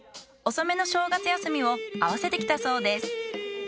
遅めの正月休みを合わせて来たそうです。